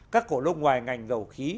các cổ đông ngoài ngành dầu khí